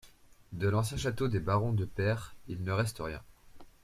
De l'ancien château des barons de Peyre, il ne reste rien.